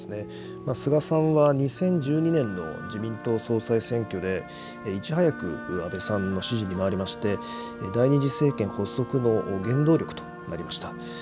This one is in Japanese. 菅さんは２０１２年の自民党総裁選挙で、いち早く安倍さんの支持に回りまして、第２次政権発足の原動力となりました。